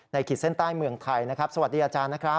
ขีดเส้นใต้เมืองไทยนะครับสวัสดีอาจารย์นะครับ